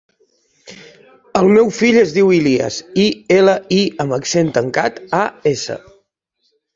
El meu fill es diu Ilías: i, ela, i amb accent tancat, a, essa.